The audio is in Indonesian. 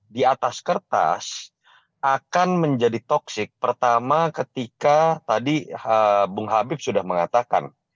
di atas kertas akan menjadi toxic pertama ketika tadi bung habib sudah mengatakan